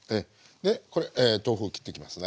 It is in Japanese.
これ豆腐を切っていきますね。